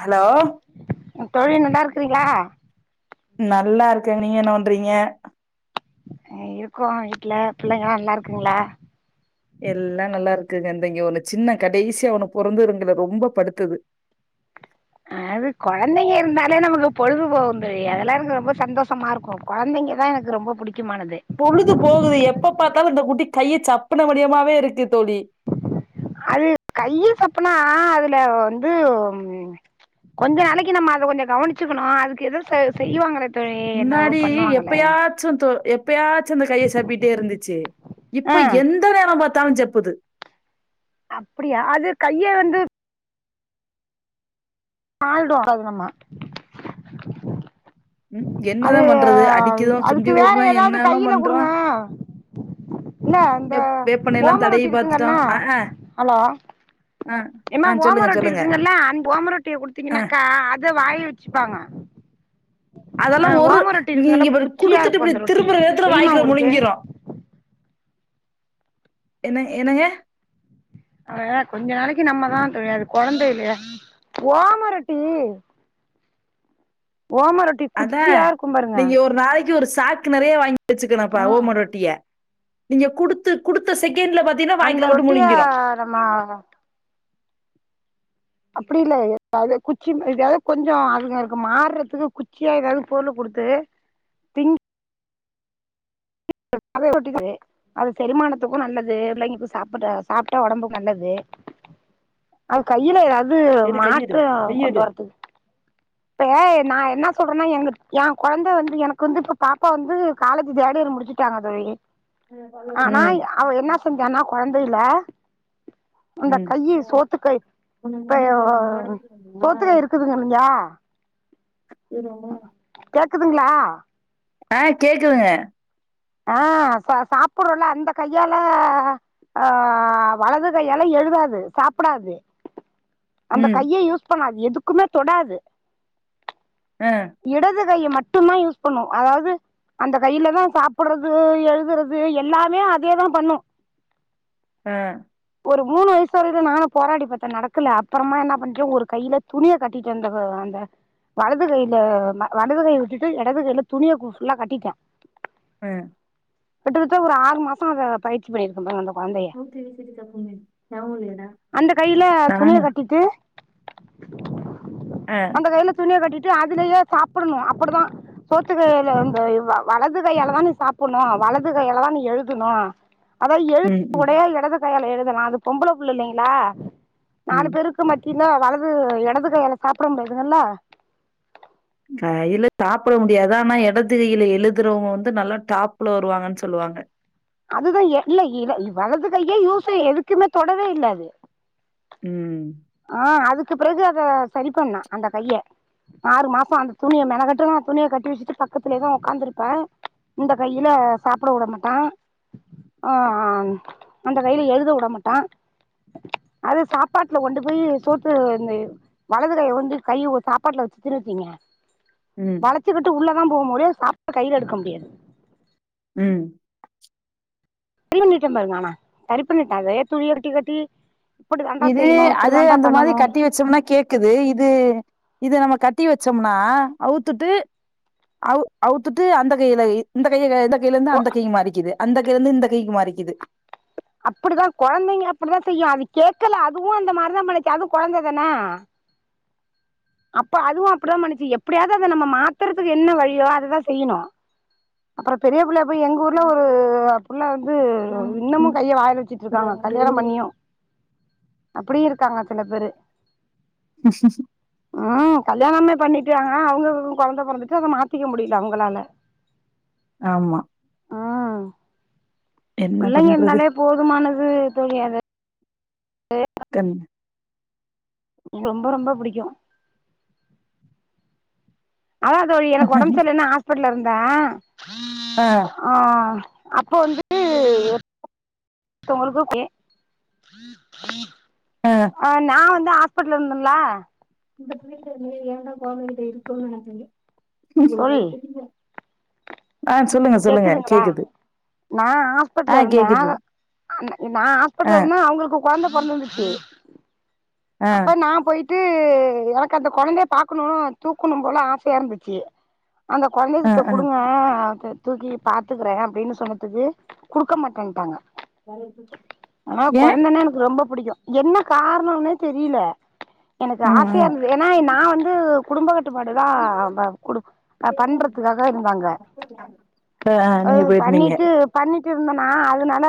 Hello தோழி நல்லா இருக்கறீங்ளா நல்லா இருக்கே நீங்க என்னபண்றீங்க இருக்கோ வீட்டு்ல பிள்ளைங்களா நல்லா இருக்குங்களா க்குங்க இந்த இங்க ஒன்னு சின்ன கடைசியா ஒன்னு பொறந்ததுங்களே ரொம்ப படுத்துது அது கொழந்தைங்க இருந்தாலே நமக்கு பொழுது போகும் தோழி அதெல்லா எனக்கு ரொம்ப சந்தோஷமா இருக்கு கொழந்தைங்கதா எனக்கு ரொம்ப புடிக் பொழுது போகுது எப்ப பார்த்தாலு அந்த குட் டி கைய சப்பன மடியமாவே இருக்கு தோழி அது கைய சப் சப்புனா அதுல வந்து கொஞ்ச நாளைக்கு நம்ம அதை கொஞ்சொ கவனிச்சுக்கணு அதுக்கு எத செய்வாங்கற முன்னாடி எப்பயாச்சு எப்பயாச்சும் இந்த கைய சப்பிட்டே இருந்துச்சு ஆ இப்ப எந்த நேரம் பார்த் பாத்த்தாலுஞ் சப்புது அப்டியா அது கைய வந்து [unintelligible] ம் என்னதா அது பண்றது அடிக்குதோ அதுக்கு சுண்டி வேற வுட்றோ ஏதாவது என்னல்லா கையில பண்றோ கொடுங்க இல்ல இந்த வெப் வேப்பெண்ணெல்லா ஓம தடவி ரொட்டி பாத்துட்டோ இருக்குங்கல்ல ஆ ஆ ஹலோ ஆ ஆ ஏம்மா ஓம சொல்லுங்க ரொட்டி சொல்லுங்க இருக்குங்கல்ல அ ஓம ரொட்டிய ஆ குடுத்தீங்கனாக்கா அத வாயில வச்சுப்பாங்க ஆ அதெல்லா ஒரு ஓம ரொட்டி நீங்க இருக்குங்கல்ல இப்படி குச்சியா குடுத்துட்டு இருக்கு இப்டி அந்த ரொட்டி திரும்புற நேரத்துல தெரியுமா வாய்க்குள்ள உங்களுக்கு முழுங்கிரு என்ன என்னங்க அததா கொஞ்ச நாளைக்கி நம்மதா தோழி அது கொழந்த இல்லையா, ஓமரொட்டி ஓமரொட்டி அதா குச்சியா இருக்கு பாருங்க நீங்க ஒரு நாளைக்கு ஒரு சாக்கு நெறைய வாங்கி வச்சுக்னு அப்ப ஆ ஓமரொட்டிய நீங்க குடுத் து குடுத்த செகண்ட்ல பாத்தீங்கனா அந்த வாய்குள்ள போட்டு ரொட்டிய முழுங்கிரு நம்ம அப்டி இல்ல எதாது குச்சி எதையாவது கொஞ்சோ அதுங்களுக்கு மாற்றதுக்கு குச்சியா ஏதாவது பொருளு குடுத்து திங்க நல்லாவே ரொட்டி அது செரிமானத்துக்கு நல்லது பிள்ளைங்கக்கு சாப்புட்ற சாப்ட்டா ஒடம்புக்கு நல்லது அது கையில ஏதாவது அது எடு கையெடு மாற்றம் கொண்டு கையெடு வரத்துக் இப்பே நா என்ன சொல்றேன்னா எங்க எ கொழந்த வந்து எனக்கு வந்து இப்ப பாப்பா வந்து காலேஜ் தேடு இயர் முடிச்சிட்டாங்க தோழி ஆனா ம் அவ என்ன செஞ்சான்னா கொழந்தைல அந்த ம் கையி சோத்துக்கை இப்ப சோத்துக்கை இருக்குதுங்க இல்லியா போய்டுவோமா க்குதுங்களா ஆ, கேக்குங்க ஆ, சா சாப்புட்றோல அந்த கையால அ வலது கையால எழுதாது சாப்புடாது அந்த ம் கைய யூஸ் பண்ணாது எதுக்குமே தொடாது ஆ இடது கை மட் டுந்தா யூஸ் பண்ணு அதாவது அந்த கையிலதா சாப்புட்றது எழுதுறது எல்லாமே அதேதா பண்ணு அ ஒரு மூணு வயசு வரையில நானு போராடி பாத்த நடக்கல அப்புறமா என்ன பண்ட்டே ஒரு கையில துணிய கட்டிட்ட இந்த அந்த வலது கையி ல வ வடது கை விட்டுட்டு இடது கையில துணிய ஃபுல்லா கட்டிட்டே ம் கட்ட ஒரு ஆறு மாசம் அதை பயிற்சி பண்ணிருக்கங்க அந்த கொழந்தைய அந்த கையில துணிய கட்டிட்டு [unintelligible] ஆ அந்த கைல்ல துணிய கட்டிட்டு அதுலயே சாப்பிடணும் அப்படிதான் சோத்துக்கையில வந்து வலது கையில தான நீ சாப்பிடணும் வலது கையில தான எழுதணு அதான் ம் எழுத்து ம் உடையா இடது எழுதலாம் அது பொம்பளை புள்ள இல்லைங்களா நாலு ம் பேருக்கு மத்தி ல வலது எடது கையால சாப்பட முடியாதுங்கல்ல கையில சாப்ட முடியாது ஆனா எடது கையில எழுதுறவங்க வந்து நல்லா டாப்ல வருவாங்கன் சொல்லுவாங்க அதுதா இல்ல இ வலது கையே யூஸ் எதுக்குமே தொடவே இல்ல அது ம் ஆ அதுக்கு பிறகு அத சரி பண்ணா அந்த கைய ஆறு மாசோ அந்த துணிய மெனகெட்டு நா துணிய கட்டி வச்சுட்டு பக்கத்துலே தா உக்காந்துருப்ப இந்த கையில சாப்ட உடமாட்ட ஆ அந்த கைல எழுத உட மாட்ட அது சாப்பாட்டுல கொண்டு போய் சோத்து இந்த வலது கைய வந்து கை சாப்பாட்டுல வச்சுன் வச்சுக்கங்க ம் வளச்சுக்கிட்டு உள்ள போக முடியு சாப்டு கைல எடுக்க முடியாது ம் சரி பண்ணிட்ட பாருங்க ஆனா சரி பண்ணிட்ட வே துணிய கட்டி கட்டி இப்டி தாண்டா இது செய்யணு இப்டி அது தாண்டா அந்த மாதி பண்ணணு கட்டி வச்சோம்னா கேக்குது இது இது நம்ம கட் ட்டி வச்சம்னா அவுத்துட்டு அவ் அவுத்துட்டு அந்த கைல இந்த கைய யில இந்து ஓ அந்த கை மாறிக்குது அந்த கைல இந்து இந்த கைக்கு மாறிக்குது அப்படிதா கொழந்தைங்க அப்படித்தா செய்யு அது கேக்கல அதுவு அந்த மாரிதா பண்ணுச்சு அதுவு கொழந்த தான அப்ப அதுவு அப்டிதா பன்னிச்சு எப்படியாது அத நம்ம மாத்தறதுக்கு என்ன வழியோ அததா செய்யணு அப்றோ பெரிய பிள்ள அப்ப எங்க ஊர்ல ஒரு புள்ள வந்து இன்னமு கைய வாய்ல வச்சுட்டு இருக்காங்க கல்யாணோ பண்ணியு அப்டி இருக்காங்க சில பேரு ம் கல்யாணமே பண்ணிட்டாங்க அவங்க கொழந்த பறந்துட்டு அத மாத்திக்க முடில அவங்களால ஆமா ம் என்ன புள்ளைங்க பண்றது இருந்தாலே போதுமானது து தோழி அது கண் ரொம்ப ரொம்ப புடிக்கு அதா தோழி எனக்கு ஒடம்பு சரியில்லன் ஹாஸீபிட்டல்ல இருந் த ஆ அப்ப வந்து ஒருதவங்களுக்கு ஏ ஆ நா வந் தா ஹாஸ்பிட்டல்ல இருந்தன்லா இந்த புள்ளகிட்ட எ ஏன்டா கோமதி கிட்ட இருக்கோனு நெனைப்பிங்க என்ன தோழி செல்றது தெரில கேக்குதுங்களா கேக்குது நா ஆ ஹாஸ்பிட்டல இருந்த, கேக்குது அன் நா ஆ ஹாஸ்பிட்டல இருந்த அவங்களுக்கு கொழந்த பொறந்துருந்துச்சு ஆ அப்ப நா போய் ட்டு எனக்கு அந்த கொழந்தைய பாகக்கணு தூக்கணு போல ஆசையா இருந்துச்சு அந்த கொழந்தைய ஆ செத்த ஆ குடுங்க அது தூக்கி பாத்துக்குற அப்டீனு சொன்னதுக்கு குடுக்க மாட்டன்ட்டாங்க ஆனா ஏ கொழந்தனா எனக்கு ரொம்ப புடிக்கு என்ன கார்ணோனே தெரில எனக்கு ம் ஆசையா ம் இருந்துது ஏனா நா வந்து குடும்பக்கட் டுப்பாடுதா ப குடு ப பண்றதுக்காக இருந்தாங்க அ நீங்க போயிருந்தீங்க ட்டு இருந்தனா அதுனால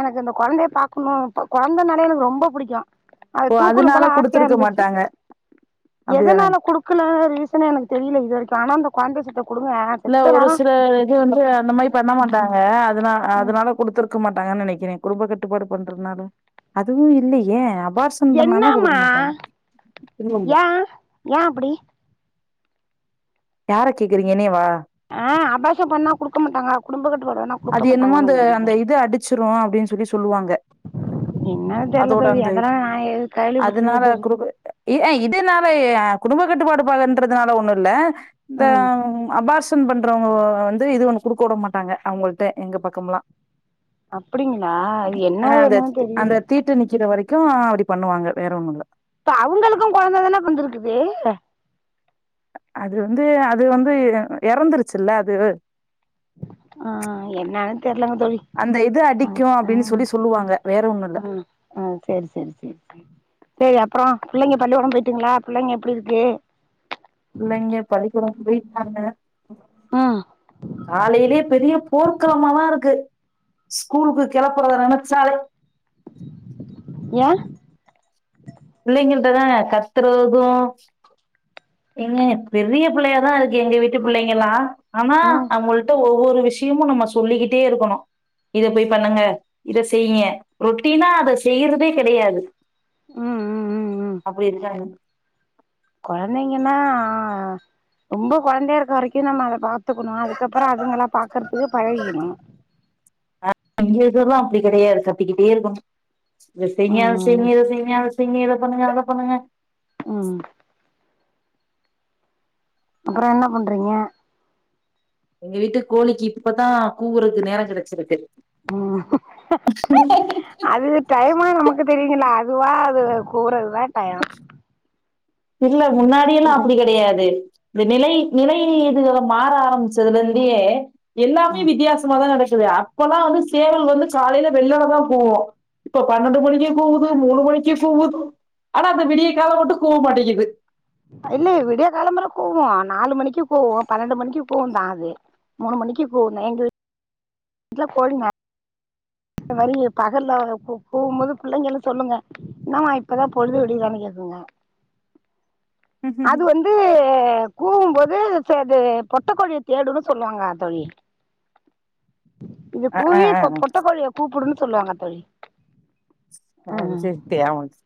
எனக்கு இந்த கொழந்தய பாக்கணு கொழந்தனாலே எனக்கு ரொம்போ புடிக்கு அத ஓ தூக்குணு அதனால போல ஆசையா குடுத்துருக்க இருந்துச்சு மாட்டாங்க அப்டிதானே எதுனால குடுக்ல ரீசனே எனக்கு தெரில இது வரைக்கு ஆனா அந்த கொழந்த செத்த குடுங்க இல்ல செத்த ஒரு நேரொ சில இது வந்து அந்த மாரி பண்ண மாட்டாங்க அதுனால ம் அதுனால குடுத்ருக்க மாட்டாங்கன் நெனக்கிறே குடும்ப கட்டுப்பாடு பண்றதுனால அதுவு இல்ல ஏ என்னாமா இல்லல்ல ஏ ஏ அப்டி யார கேக்குறீங்க என்னயவா ஆ அபாஷன் பண்ணா குடுக்க மாட்டாங்ளா குடும்பக் அது என்னமோ அந்த அந்த இது அடிச்சிரு அப்டின் சொல்லி சொல்லுவாங்க என்னன்னு தெர்ல அதோட தோழி அந்த இ அதெல்லா நா கேள்விப்பட்டதில்ல அதுனால தோழி குடு இ இதுனால குடும்பக் கட்டுப்பாடு பன்றதுனால ஒண்ணு இல்ல இந்த ம் அபாஷ் ஷன் பண்றவங்க வந்து இது ஒ குடுக்க உட மாட்டாங்க அவுங்கள் ட்ட எங்க பக்கம்லா அப்டிங்களா என்ன வேணு தெரில கு அப்டி பண்ணுவாங்க வேற ஒண்ணுல்ல அப்ப அவ்ங்களுக்கு கொழந்த தான பொறந்துருக்குது அது வந்து அது வந்து எறந்துருச்சுல்ல அது ஆ என்னானு தெர்லங்க தோழி் அந்த இது அ அடிக்கு அ அப்டின்னு சொல்லி சொல்லுவாங்க வேற ஒண்ணு இல்ல அ அ சேரி சேரி சேரி சேர் சேரி அப்றோ புள்ளைங்க பள்ளிகொட போயிட்டீங்களா புள்ளங்க எப்டி இருக்கு இல்லங்க பள்ளிக்கொட போய் ஆமா ம் காலயிலயே பெரிய போர்க்களமா தா இருக்கு ஸ்கூலுக்கு கெளப்புறத நெனச்சாலே ஏ பிள்ளங்கள்ட்டதா கத்துறது ஏங்க பெரிய பிள்ளயாதா இருக்கு எங்க வீட்டு பிள்ளங்கல்லா ஆனா ம் அவங்கள்ட்ட ஒவ் ஒவ்வொரு விஷயமு நம்ம சொல்லிக்கிட்டே இருக்கணு இத போய் பண்ணுங்க இத செய்ங்க ரொட்டீனா அத செய்யறதே கிடையாது ம் ம் ம் ம் அப்டி எதுக்காக கொழந்தைங்கன்னா ரொம்ப கொழந்தைய இருக்க வரைக்கு நம்ம அதை பாத்துக்கணு அதுக்கப்புறோ அதுங்க எல்லா பாக்குறதுக்கு பழகீணு அங்கே இருதல்லா அப்டி கிடையாது கத்திகிட்டே இருக்கு இதசெங்க அதசெங்க ம் இதசெங்க அத செய்ங்க இத பண்ணுங்க அத பண்ணுங்க உம் அப்புறோ என்ன பண்றீங்க எங்க வீட்டு கோழிக்கு இப்பதா கூவுறுக்கு நேர கெடேச்சிருக்கு உ அது டைமா நமக்கு தெரியுங்கள அதுவா அது கூறதுத டையோ இல்ல முன்னாடி எல்லா அப்டி கெடையாது இது நிலை நிலை இதுங்க மாற ஆரம்பிச்சதுலிருந்தே எல்லாமே வித்தியாசமா தா நடக் சோல்லு அப்பொல்லா வந்து சேவல் வந்து காலையில வெள்ளளிதா போவோ இப்ப பன்னெண்டு மணிக்கு கூவுது மூணு மணிக்கு கூவுது ஆனா அந்த விடிய கால்லே மட்டு கூக மாட்டேங் இது இல்ல விடியா காலம்பர கூவு ஆ நாலு மணிக்கு கூவு பன்னெண்டு மணிக்கு கூவுந்தா அது மூணு மணிக்கு கூவுந்தே எங்களு இதுல கோழிங்க வரி பகல்ல ஒரு கூ கூவும்போது பிள்ளைங்களு சொல்லுங்க என்னாவ இப்பதா பொழுது விடியுதானு கேக்குங்க ம் அது ம் வந்து த கூவுபோது சே அது பொட்டக்கோழியே தேடுன் சொல்லுவாங்க தோழி இது ஆ ஆ கூவி ஆஹ பொட்டக்கோழிய கூப்புடுன்னு சொல்லுவாங்க தோழி ம் அதுசெரி தேவாங்ஸ்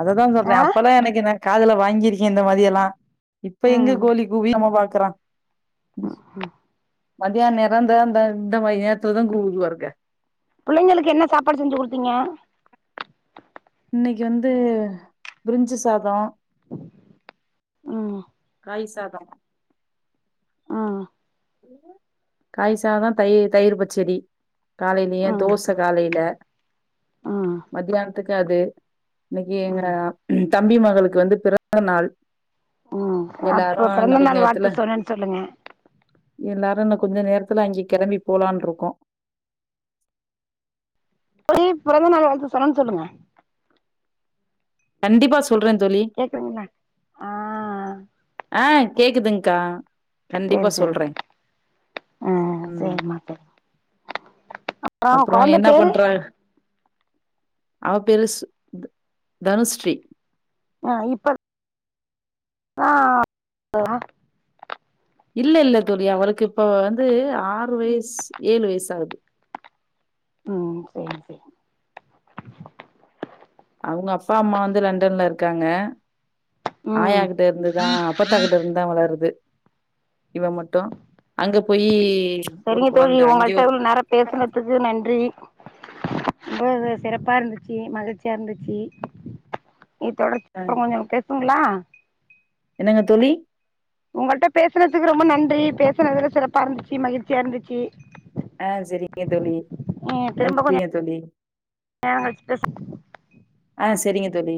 அதுதா சொல்றே ஆ அப்பெல்லா எனக்கு என்ன காதுல வாங்கியிருக்கே இந்த மாரி எல்லா இப்ப எங்க கோழி கூவி நம்ம பாக்குறோ ம் ஹ்ம் மதியான் நேரோ இந்த இந்ந இந்த மாரி நேரத்லதா [unintelligible] புள்ளைங்களுக்கு என்ன சாப்பாடு செஞ்சு குடுத்தீங்க இன்னக்கி வந்து ப்ரிஞ்சு சாதோ ம் காய் சாதொ ம் காய் சாதொ தயி தயிர் பச்செடி காலேயிலே ஆ தோசை காலையில ஆ மத்தியானத்துக் என்னா அது இன்னைக்கு ஆ எங்க தம்பி மகளுக்கு வந்து பிறந்த நாள் ம் எல்லாரு அப்ப இன்னு பிறந்த கொஞ்ச நாள் நேரத்துல வாழ்த்து சொன்னேன்னு சொல்லுங்க எல்லாரு இன்னும் கொஞ்ச நேரத்துல அங்க கெளம்பி போலான்ருக்கோ போய் பிறந்த நாள் வாழ்த்து சொன்னேன்னு சொல்லுங்க கண்டிப்பா சொ கேக்குதுங்களா ஆ அ [inaudible] ஆ கேக்குதுங்க்கா கண்டிப்பா சேரி சேரி சொல்றே ம் சேரிமா அப்றோ அப்புறோ கொழந்த என்ன பேரு பண்ற அவ பேரு ஸ் தனுஸ்ரீ ம் இப்ப ஆ [inaudible] இல்ல இல்ல தோழி அவளுக்கு இப்ப வந்து ஆறு வயசு ஏழு வயசாகுது ம் சேரி சேரி அவுங்க அப்பா அம்மா வந்து லண்டன்ல இருக்காங்க ஆயா ம் கிட்ட இருந்துதா அப்பத்தா கிட்ட இருந்துதா வளருது இவ மட்டும் அங்க போயி ஒரு செரிங்க தோழி குழந்த. அங்கே ஒங்கள்ட ஒரு இவுள் நேரொ பேசுனதுக்கு நன்றி ம் ம் சிறப்பா இருந்துச்சி மகிழ்ச்சியா இருந்துச்சி இத்தோட அ [unintelligible] ங்களா என்னங்க தோழி உங்கள்ட்ட பேசுனதுக்கு ரொம்ப நன்றி பேசுனதுல சிறப்பா இருந்துச்சி மகிழ்ச்சியா இருந்துச்சி ஆ செரிங்க தோழி நன்றிங்க தோழி ஆ [inaudible] அ செரிங்க தோழி